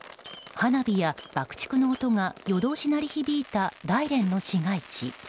花火や爆竹の音が夜通し鳴り響いた大連の市街地。